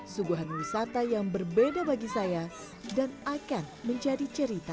suguhan wisata yang berbeda bagi saya dan akan menjadi cerita